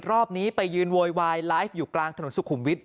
รอบนี้ไปยืนโวยวายไลฟ์อยู่กลางถนนสุขุมวิทย